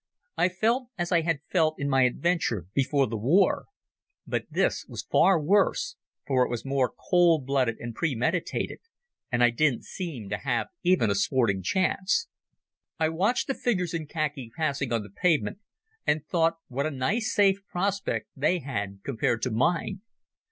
I felt as I had felt in my adventure before the war. But this was far worse, for it was more cold blooded and premeditated, and I didn't seem to have even a sporting chance. I watched the figures in khaki passing on the pavement, and thought what a nice safe prospect they had compared to mine.